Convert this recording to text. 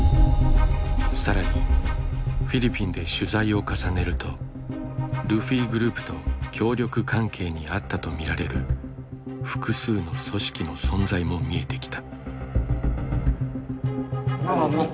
更にフィリピンで取材を重ねるとルフィグループと協力関係にあったと見られる複数の組織の存在も見えてきた。